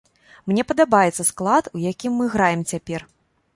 Мне падабаецца склад, у якім мы граем цяпер.